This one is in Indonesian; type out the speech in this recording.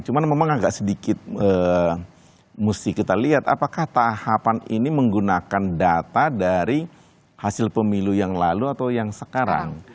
cuma memang agak sedikit mesti kita lihat apakah tahapan ini menggunakan data dari hasil pemilu yang lalu atau yang sekarang